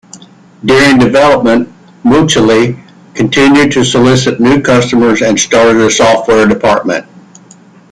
During development Mauchly continued to solicit new customers and started a software department.